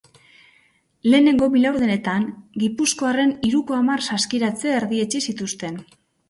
Lehenengo bi laurdenetan gipuzkoarren hiruko hamar saskiratze erdietsi zituzten.